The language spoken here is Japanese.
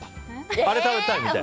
あれ食べたいみたいな。